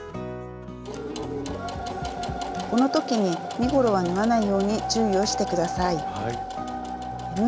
この時に身ごろは縫わないように注意をして下さい。